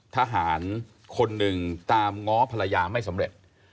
ทหารคนหนึ่งตามง้อภรรยาไม่สำเร็จ